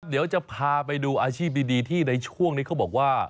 เดี๋ยวจะพาไปดูอาชีพดีที่ในช่วงนี้เขาบอกว่า